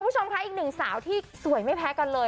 คุณผู้ชมค่ะอีกหนึ่งสาวที่สวยไม่แพ้กันเลย